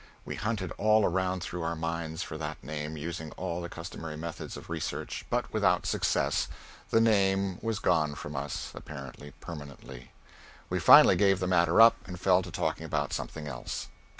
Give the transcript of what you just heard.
We hunted all around through our minds for that name, using all the customary methods of research, but without success; the name was gone from us, apparently permanently. We finally gave the matter up, and fell to talking about something else.